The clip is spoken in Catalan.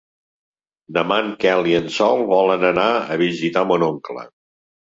Demà en Quel i en Sol volen anar a visitar mon oncle.